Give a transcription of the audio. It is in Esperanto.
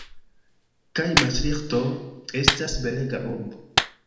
Kaj Mastriĥto estas belega urbo.